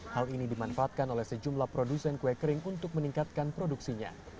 hal ini dimanfaatkan oleh sejumlah produsen kue kering untuk meningkatkan produksinya